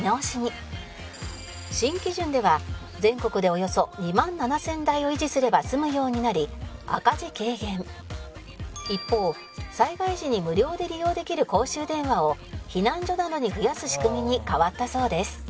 「新基準では全国でおよそ２万７０００台を維持すれば済むようになり赤字軽減」「一方災害時に無料で利用できる公衆電話を避難所などに増やす仕組みに変わったそうです」